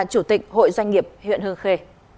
huyện hương khê